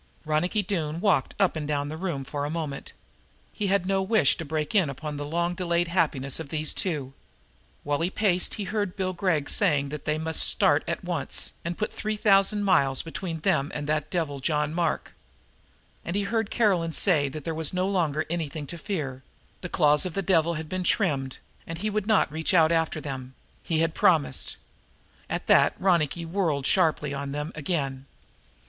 Ronicky Doone walked up and down the room for a moment. He had no wish to break in upon the long delayed happiness of these two. While he paced he heard Bill Gregg saying that they must start at once and put three thousand miles between them and that devil, John Mark; and he heard Caroline say that there was no longer anything to fear the claws of the devil had been trimmed, and he would not reach after them he had promised. At that Ronicky whirled sharply on them again.